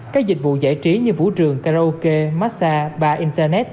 các dịch vụ giải trí như vũ trường karaoke massage ba internet